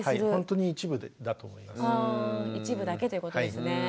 あ一部だけということですね。